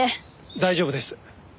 大丈夫です。